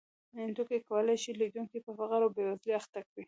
توکي کولای شي تولیدونکی په فقر او بېوزلۍ اخته کړي